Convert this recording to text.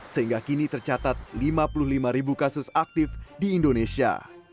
sehingga kini tercatat lima puluh lima ribu kasus aktif di indonesia